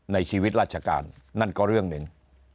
ในชีวิตราชการนั่นก็เรื่องหนึ่ง